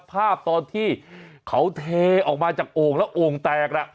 ภาพตอนที่เขาเทออกมาจากโอ่งแล้วโอ่งแตก